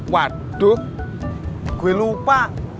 waduh gue lupa